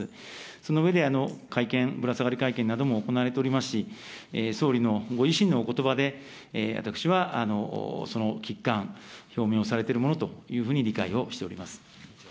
その上で、会見、ぶら下がり会見なども行われておりますし、総理のご自身のおことばで、私はその危機感、表明をされているものと理解をしております。